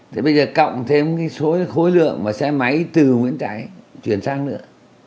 thế bây giờ cộng thêm cái số khối lượng mà xe máy từ nguyễn trãi chuyển sang nữa